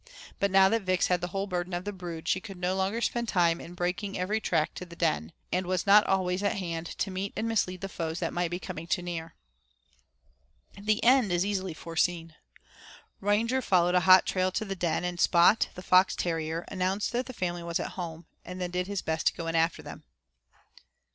But now that Vix had the whole burden of the brood, she could no longer spend time in breaking every track to the den, and was not always at hand to meet and mislead the foes that might be coming too near. The end is easily foreseen. Ranger followed a hot trail to the den, and Spot, the fox terrier, announced that the family was at home, and then did his best to go in after them.